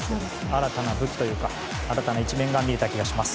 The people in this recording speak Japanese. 新たな武器というか新たな一面が見えた気がします。